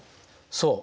そう。